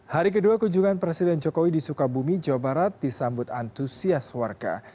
hari kedua kunjungan presiden jokowi di sukabumi jawa barat disambut antusias warga